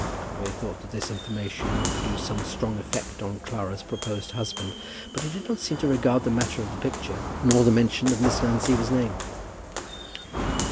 Conway thought that this information would produce some strong effect on Clara's proposed husband; but he did not seem to regard the matter of the picture nor the mention of Miss Van Siever's name.